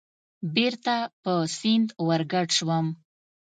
بېرته په سیند ورګډ شوم.